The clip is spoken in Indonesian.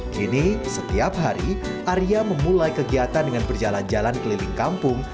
kini setiap hari arya memulai kegiatan dengan berjalan jalan keliling kampung